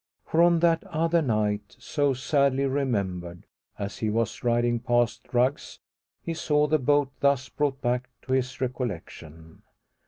For on that other night, so sadly remembered, as he was riding past Rugg's, he saw the boat thus brought back to his recollection.